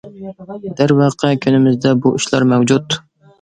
دەر ۋەقە كۈنىمىزدە بۇ ئىشلار مەۋجۇت.